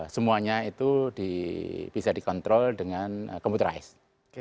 semuanya itu bisa dikontrol dengan computerized